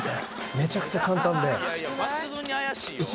めちゃくちゃ簡単で。